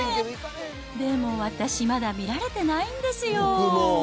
でも私、まだ見られてないんですよ。